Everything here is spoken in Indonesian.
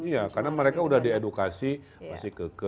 iya karena mereka sudah diedukasi masih ke